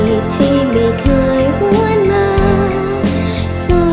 อัดอีกที่ไม่เคยหวนมา